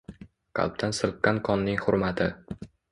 Qalbdan silqqan qonning hurmati